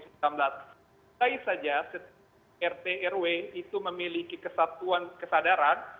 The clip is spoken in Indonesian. setelah rtrw itu memiliki kesatuan kesadaran